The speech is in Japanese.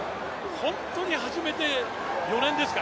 本当に始めて４年ですか？